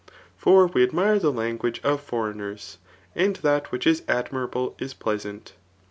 For we admire the language of fbre^ers ; and that which is admirable is pleasant.